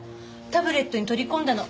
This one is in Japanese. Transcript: タブレットに取り込んだの。